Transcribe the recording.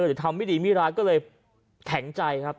หรือทำไม่ดีไม่ร้ายก็เลยแข็งใจครับ